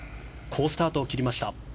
好スタートを切りました。